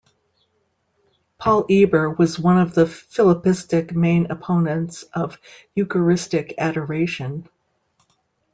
Paul Eber was one of the Philippistic main opponents of eucharistic adoration.